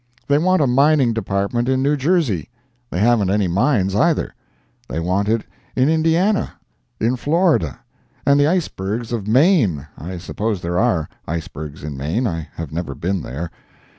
They want a mining department in New Jersey. They haven't any mines either. They want it in Indiana, in Florida and the icebergs of Maine (I suppose there are icebergs in Maine—I have never been there).